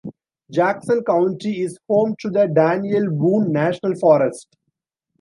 Jackson County is home to the Daniel Boone National Forest.